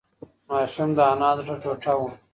ماشوم د انا د زړه ټوټه وه.